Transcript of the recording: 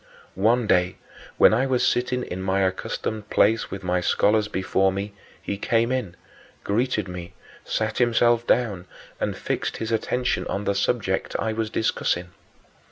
One day, when I was sitting in my accustomed place with my scholars before me, he came in, greeted me, sat himself down, and fixed his attention on the subject I was then discussing.